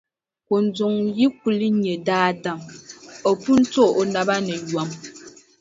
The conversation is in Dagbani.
Kunduŋ yi kuli nya daadam, o pun to o naba ni yom.